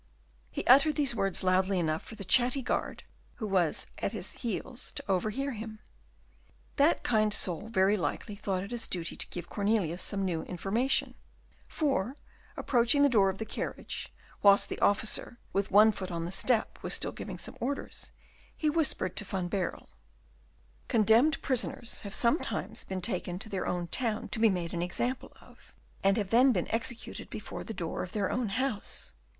He uttered these words loud enough for the chatty guard, who was at his heels, to overhear him. That kind soul very likely thought it his duty to give Cornelius some new information; for, approaching the door of the carriage, whilst the officer, with one foot on the step, was still giving some orders, he whispered to Van Baerle, "Condémned prisoners have sometimes been taken to their own town to be made an example of, and have then been executed before the door of their own house.